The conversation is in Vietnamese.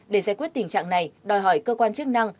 để giải quyết tình trạng này đòi hỏi cơ quan chức năng